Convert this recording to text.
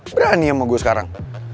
berani sama gue sekarang